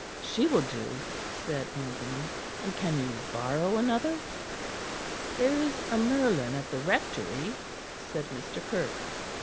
"She will do," said Anthony; "and can you borrow another?" "There is a merlin at the Rectory," said Mr. Kirke.